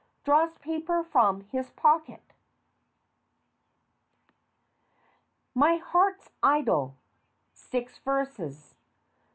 (Draws papers from his pocket.) "My Heart's Idol" six verses.